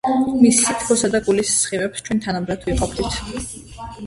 მის სითბოსა და გულის სხივებს ჩვენ თანაბრად ვიყოფდით.